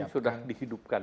ya mesin sudah dihidupkan